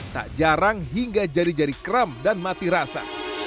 tak jarang hingga jari jari kram dan mati rasa